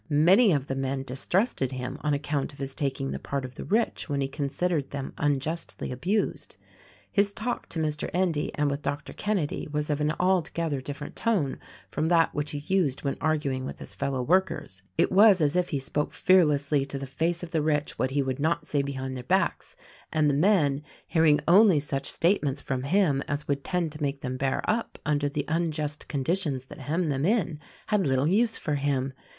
Many of the men distrusted him on account of his taking the part of the rich when he con sidered them unjustly abused. His talk to Mr. Endy and with Doctor Kenedy was of an altogether different tone from that which he used when arguing with his fellow workers. It was as if he spoke fearlessly to the face of the 132 THE RECORDING ANGEL rich what he would not say behind their backs ; and the men, hearing only such statements from him as would tend to make them bear up under the unjust conditions that hemmed them in, had little use for him.